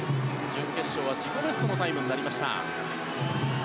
準決勝は自己ベストのタイムになりました。